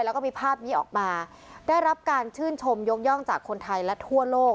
แล้วก็มีภาพนี้ออกมาได้รับการชื่นชมยกย่องจากคนไทยและทั่วโลก